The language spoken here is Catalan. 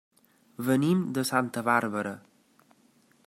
Venim de Santa Bàrbara.